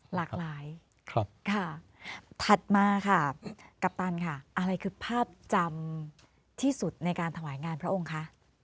หลากหลายค่ะถัดมาค่ะกัปตันค่ะอะไรคือภาพจำที่สุดในการถวายงานพระองค์คะ